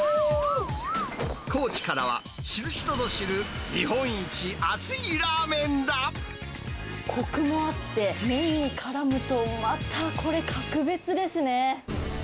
高知からは、知る人ぞ知る、こくもあって、麺にからむとまたこれ、格別ですね。